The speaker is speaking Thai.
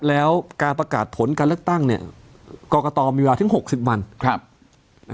แล้วการประกาศผลการเลือกตั้งกรกตมีเวลาถึง๖๐วัน